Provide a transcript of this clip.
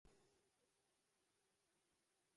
— Piqillama-ye!